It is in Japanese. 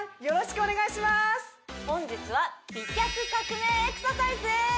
よろしくお願いします